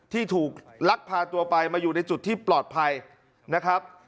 ที่ถูกลักพาตัวไปมาอยู่ในจุดที่ปลอดภัยนะครับ